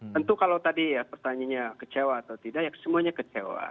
tentu kalau tadi ya pertanyaannya kecewa atau tidak ya semuanya kecewa